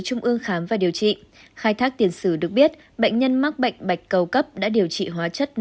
trung ương khám và điều trị khai thác tiền sử được biết bệnh nhân mắc bệnh bạch cầu cấp đã điều trị hóa chất